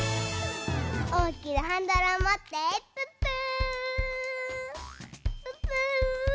おおきなハンドルをもってプップープップー！